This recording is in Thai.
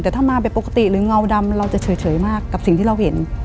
แต่ถ้ามาแบบปกติหรือเงาดำเราจะเฉยมากกับสิ่งที่เราเห็น